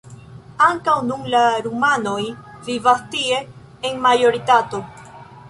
Ankaŭ nun la rumanoj vivas tie en majoritato.